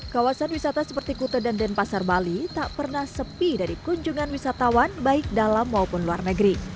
kawasan wisata seperti kute dan denpasar bali tak pernah sepi dari kunjungan wisatawan baik dalam maupun luar negeri